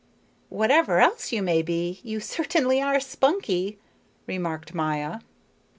"Whatever else you may be, you certainly are spunky," remarked Maya.